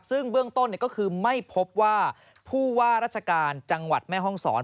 ซึ่งเบื้องต้นก็คือไม่พบว่าผู้ว่าราชการจังหวัดแม่ห้องศร